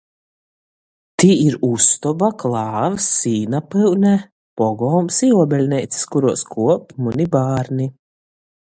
Tī ir ustoba, klāvs, sīna pyune, pogolms i uobeļneicys, kuruos kuop muni bārni.